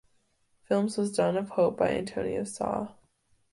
Films was "Dawn of Hope" by Antonio Sau.